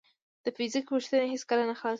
د فزیک پوښتنې هیڅکله نه خلاصېږي.